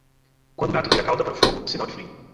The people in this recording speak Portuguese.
Quando o gato vira a cauda para o fogo, sinal de frio.